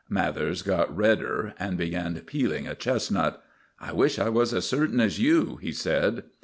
Mathers got redder, and began peeling a chestnut. "I wish I was as certain as you," he said.